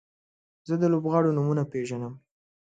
زه د لوبغاړو نومونه پیژنم.